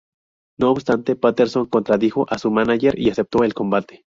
No obstante, Patterson contradijo a su mánager y aceptó el combate.